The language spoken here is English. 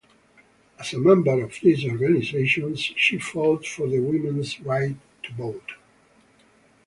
As a member of these organizations, she fought for the women's right to vote.